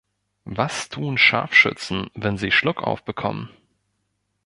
Was tun Scharfschützen, wenn sie Schluckauf bekommen?